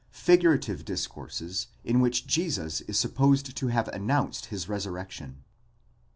FIGURATIVE DISCOURSES, IN WHICH JESUS IS SUPPOSED TO HAVE ANNOUNCED HIS RESURRECTION.